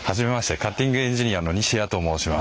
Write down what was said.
カッティングエンジニアの西谷と申します。